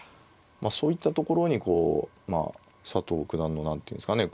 そういったところにこう佐藤九段の何ていうんですかね